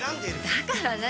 だから何？